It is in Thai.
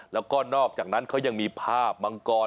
แล้วก็นอกจากนั้นเขายังมีภาพมังกร